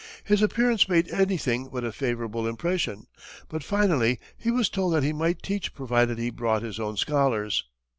His appearance made anything but a favorable impression, but finally he was told that he might teach provided he brought his own scholars.